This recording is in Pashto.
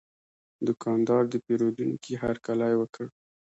دوکاندار د پیرودونکي هرکلی وکړ.